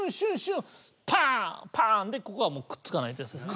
パーンでここはもうくっつかないってやつです。